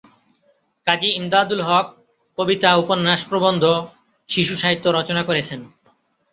কাজী ইমদাদুল হক কবিতা, উপন্যাস, প্রবন্ধ, শিশুসাহিত্য রচনা করেছেন।